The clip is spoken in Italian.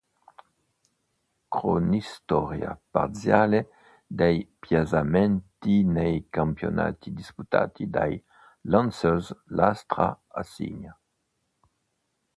Cronistoria parziale dei piazzamenti nei campionati disputati dai Lancers Lastra a Signa.